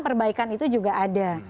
perbaikan itu juga ada